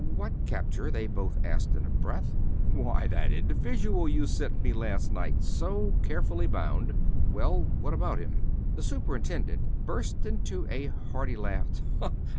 "What capture?" they both asked in a breath. "Why, that individual you sent me last night so carefully bound." "Well, what about him?" The superintendent burst into a hearty laugh.